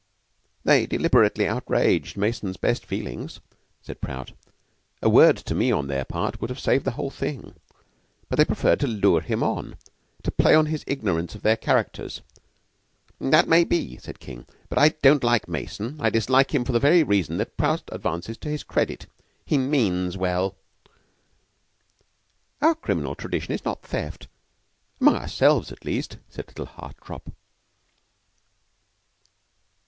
"They deliberately outraged Mason's best feelings," said Prout. "A word to me on their part would have saved the whole thing. But they preferred to lure him on; to play on his ignorance of their characters " "That may be," said King, "but I don't like Mason. I dislike him for the very reason that Prout advances to his credit. He means well." "Our criminal tradition is not theft among ourselves, at least," said little Hartopp.